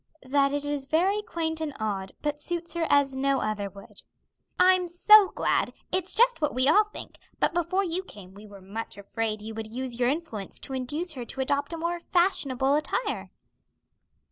"That it is very quaint and odd, but suits her as no other would." "I'm so glad! It's just what we all think, but before you came we were much afraid you would use your influence to induce her to adopt a more fashionable attire."